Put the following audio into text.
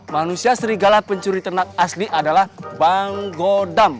manusia serigala pencuri ternak asli adalah bang godam